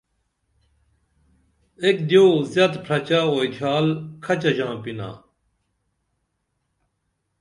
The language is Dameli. ایک دیو زیت پھرچہ اوئی تھیال کھچہ ژانپناں